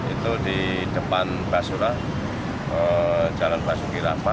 itu di depan basura jalan basuki rahmat